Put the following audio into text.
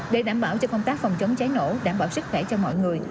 để đảm bảo cho công tác phòng chống cháy nổ đảm bảo sức khỏe cho mọi người